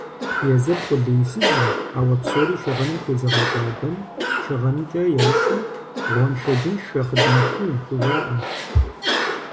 Езыр къулейсызу, ауэ псори щыгъыным тезыгъэкӀуадэм, щыгъынкӀэ ерыщым гъуэншэджыншэ хъыданшу хужаӀэ.